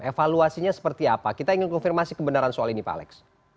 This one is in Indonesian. evaluasinya seperti apa kita ingin konfirmasi kebenaran soal ini pak alex